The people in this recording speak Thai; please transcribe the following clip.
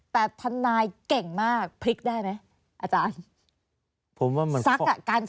แต่ทนายเก่งมากพลิกได้ไหมอาจารย์